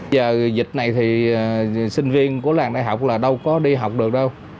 giờ dịch này thì sinh viên của làng đại học là đâu có đi học được đâu